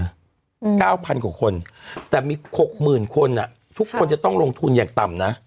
เก้าพันกว่าคนแต่มีหกหมื่นคนอ่ะทุกคนจะต้องลงทุนอย่างต่ำนะ